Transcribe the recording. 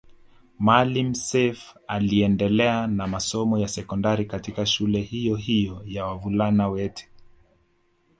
Maalim Self aliendelea na masomo ya sekondari katika shule hiyo hiyo ya wavulana wete